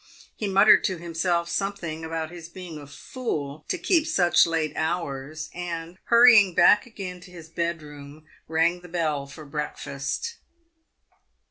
He muttered to himself something about his being a fool to keep such late hours, and, hurrying back again to his bedroom, rang the bell for breakfast.